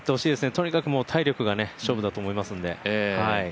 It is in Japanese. とにかく体力が勝負だと思いますんで。